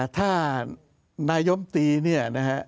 ถ้านายมตี